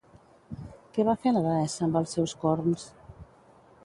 Què va fer la deessa amb els seus corns?